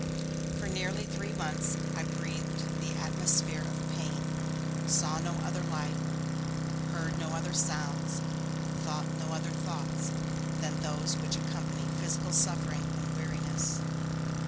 For nearly three months I breathed the atmosphere of pain, saw no other light, heard no other sounds, thought no other thoughts than those which accompany physical suffering and weariness.